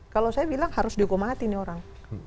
kalau saya bilang harus dihukum mati nih orang